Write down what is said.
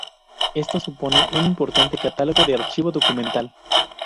Esto supone un importante catálogo de archivo documental.